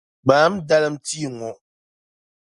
Gbaam dalim tia ŋɔ!